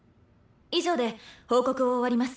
以上で報告を終わります。